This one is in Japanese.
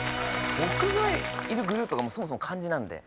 僕がいるグループがそもそも漢字なんで。